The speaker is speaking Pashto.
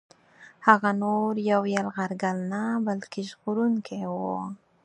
هغه نور یو یرغلګر نه بلکه ژغورونکی وو.